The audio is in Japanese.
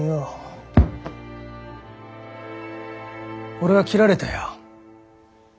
俺は切られたよ。